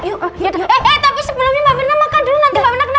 eh eh tapi sebelumnya mbak mirna makan dulu nanti mbak mirna kenapa kenapa